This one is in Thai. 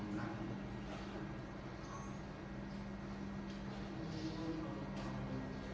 จะยกไปต่อตรงนั้นไหม